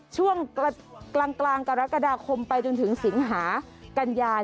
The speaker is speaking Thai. ช่วงกลางกรกฎาคมไปจนถึงสิงหากัญญา